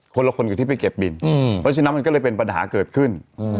คนละคนกับที่ไปเก็บบินเพราะฉะนั้นมันก็เลยเป็นปัญหาเกิดขึ้น